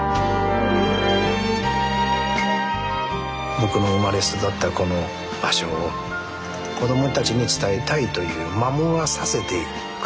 僕の生まれ育ったこの場所を子供たちに伝えたいという守らさせて下さいと。